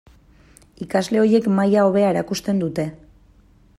Ikasle horiek maila hobea erakusten dute.